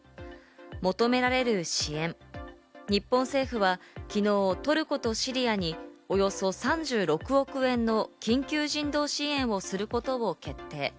求められる支援、日本政府は昨日、トルコとシリアにおよそ３６億円の緊急人道支援をすることを決定。